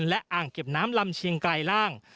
และอ่างเก็บน้ำลำเชียงไกลล่าง